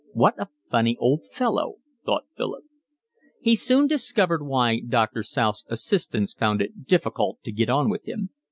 "What a funny old fellow!" thought Philip. He soon discovered why Doctor South's assistants found it difficult to get on with him.